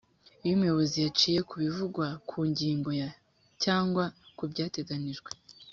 iyo umuyobozi yaciye ku bivugwa ku ngingo ya cyangwa ku byateganijwe